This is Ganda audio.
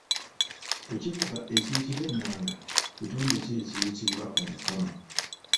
Ku kivuga ekiyitibwa ennanga, kitundu ki ekiyitibwa omukono?